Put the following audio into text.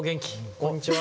こんにちは。